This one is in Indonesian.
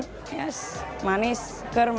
tetapi memang tersebutpalah dirinya nilai ganda